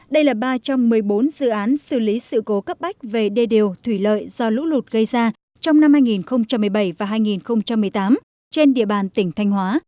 đây là ba trong một mươi bốn dự án xử lý sự cố cấp bách về đê điều thủy lợi do lũ lụt gây ra trong năm hai nghìn một mươi bảy và hai nghìn một mươi tám trên địa bàn tỉnh thanh hóa